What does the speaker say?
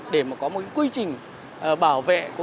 để mà có một quy trình bảo vệ